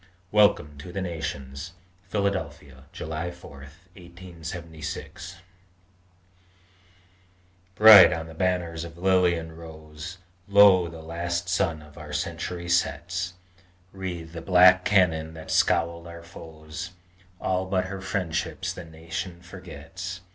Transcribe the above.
WELCOME TO THE NATIONS PHILADELPHIA, JULY 4, 1876 Bright on the banners of lily and rose Lo! the last sun of our century sets! Wreathe the black cannon that scowled on our foes, All but her friendships the nation forgets!